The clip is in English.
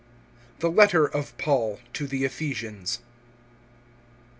THE LETTER OF PAUL TO THE EPHESIANS.